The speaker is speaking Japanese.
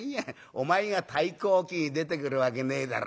お前が『太閤記』へ出てくるわけねえだろ